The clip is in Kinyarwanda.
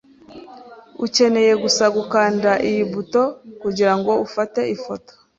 Ukeneye gusa gukanda iyi buto kugirango ufate ifoto.